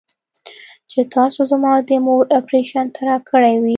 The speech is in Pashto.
چې تاسو زما د مور اپرېشن ته راکړې وې.